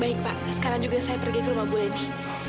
baik pak sekarang juga saya pergi ke rumah bu eni